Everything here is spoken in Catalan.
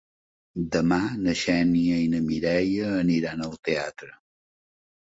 Demà na Xènia i na Mireia aniran al teatre.